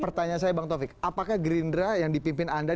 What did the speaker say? pertanyaan saya bang taufik apakah gerindra yang dipimpin anda